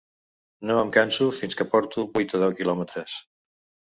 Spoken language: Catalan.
No em canso fins que porto vuit o deu quilòmetres.